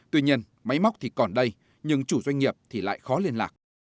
tuy nhiên máy móc thì còn đây nhưng chủ doanh nghiệp thì lại khó liên lạc